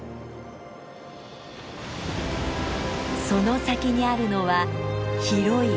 その先にあるのは広い海。